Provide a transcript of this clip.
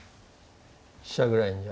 飛車ぐらいには。